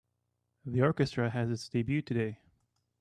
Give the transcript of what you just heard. The orchestra has its debut today.